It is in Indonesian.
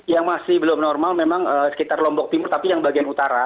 yang masih belum normal memang sekitar lombok timur tapi yang bagian utara